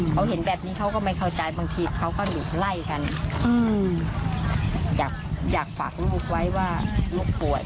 เขาเห็นแบบนี้เขาก็ไม่เข้าใจบางทีเขาก็หนีไล่กันอยากอยากฝากลูกไว้ว่าลูกป่วย